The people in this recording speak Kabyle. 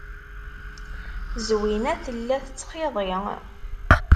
Zwina tella tettxiḍi.